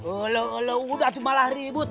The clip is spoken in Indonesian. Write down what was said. udah malah ribut